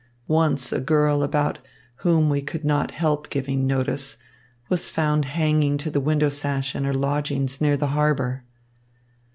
Once a girl about whom we could not help giving notice was found hanging to the window sash in her lodgings near the harbour."